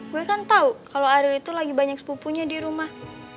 gue kan tahu kalau ado itu lagi banyak sepupunya di rumah